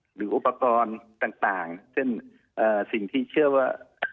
หรืออุปกรณ์ต่างเช่นสิ่งที่เชื่อว่า